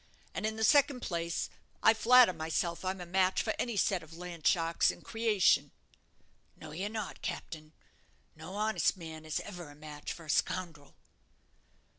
And, in the second place, I flatter myself I'm a match for any set of land sharks in creation." "No, you're not, captain. No honest man is ever a match for a scoundrel."